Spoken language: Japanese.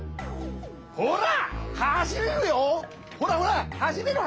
ほらはしれるよ！